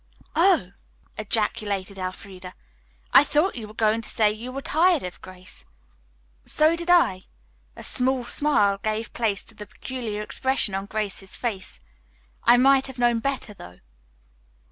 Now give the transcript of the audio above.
"Oh!" ejaculated Elfreda. "I thought you were going to say you were tired of Grace." "So did I." A smile gave place to the peculiar expression on Grace's face. "I might have known better, though."